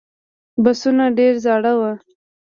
بسونه ډېر زاړه و.